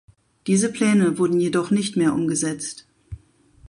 Diese Pläne wurden jedoch nicht mehr umgesetzt.